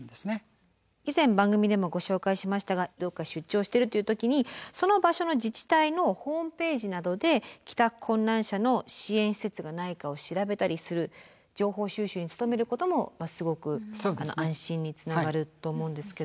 以前番組でもご紹介しましたがどこか出張してるという時にその場所の自治体のホームページなどで帰宅困難者の支援施設がないかを調べたりする情報収集に努めることもすごく安心につながると思うんですけど。